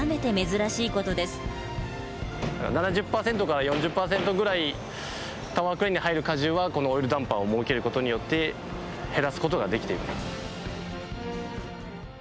７０％から４０％ぐらいタワークレーンに入る加重はこのオイルダンパーを設ける事によって減らす事ができている。